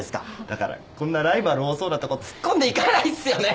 だからこんなライバル多そうなとこ突っ込んでいかないっすよね。